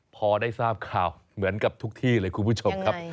พอได้ทราบข่าวเหมือนกับทุกที่เลยคุณผู้ชมครับ